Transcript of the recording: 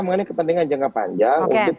mengenai kepentingan jangka panjang